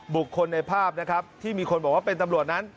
บุคคลในภาพนะครับที่มีคนบอกว่าเป็นตำรวจนั้น